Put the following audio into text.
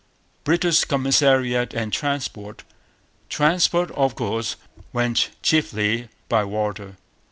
British Commissariat and Transport. Transport, of course, went chiefly by water.